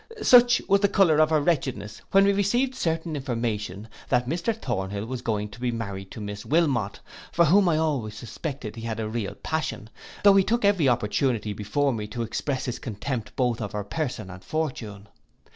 Such was the colour of her wretchedness, when we received certain information, that Mr Thornhill was going to be married to Miss Wilmot, for whom I always suspected he had a real passion, tho' he took every opportunity before me to express his contempt both of her person and fortune.